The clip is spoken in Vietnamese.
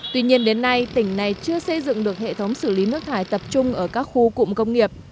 tuy nhiên đến nay tỉnh này chưa xây dựng được hệ thống xử lý nước thải tập trung ở các khu cụm công nghiệp